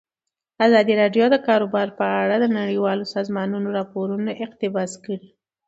ازادي راډیو د د کار بازار په اړه د نړیوالو سازمانونو راپورونه اقتباس کړي.